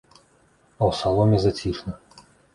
А ў саломе зацішна.